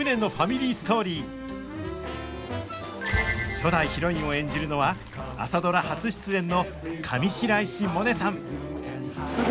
初代ヒロインを演じるのは「朝ドラ」初出演の上白石萌音さん！